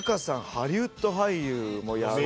ハリウッド俳優もやる。